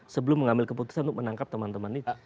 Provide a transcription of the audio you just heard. sebelum mengambil keputusan untuk menangkap teman teman itu